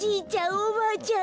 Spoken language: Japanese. おばあちゃん